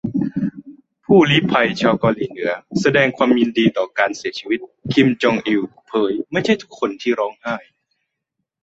ผู้ลี้ภัย"เกาหลีเหนือ"แสดงความยินดีต่อการเสียชีวิต"คิม จอง อิล" เผย"ไม่ใช่ทุกคนที่ร้องไห้"